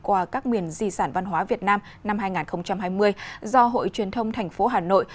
qua các miền di sản văn hóa việt nam năm hai nghìn hai mươi do hội truyền thông thành phố hà nội